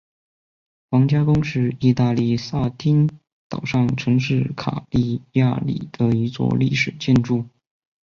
皇家宫是义大利撒丁岛上城市卡利亚里的一座历史建筑。